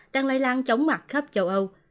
đang lây lan chống mặt khắp châu âu